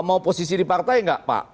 mau posisi di partai nggak pak